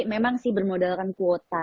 memang sih bermodalkan kuota